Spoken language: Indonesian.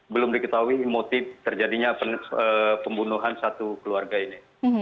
belum diketahui motif terjadinya pembunuhan satu keluarga ini